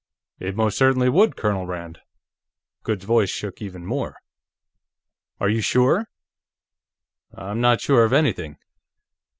"It most certainly would, Colonel Rand!" Goode's voice shook even more. "Are you sure?" "I'm not sure of anything.